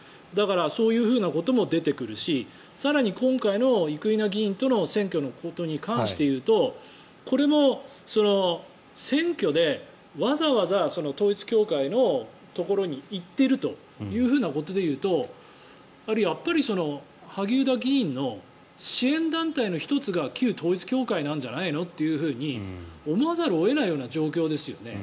そういうことも出てくるし更に、今回の生稲議員との選挙のことに関して言うとこれも選挙でわざわざ統一教会のところに行っているということで言うとやっぱり萩生田議員の支援団体の１つが旧統一教会なんじゃないのっていうふうに思わざるを得ないような状況ですよね。